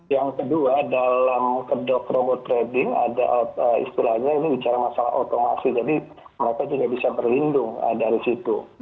yang kedua dalam kedok robot trading ada istilahnya ini bicara masalah otomasi jadi mereka juga bisa berlindung dari situ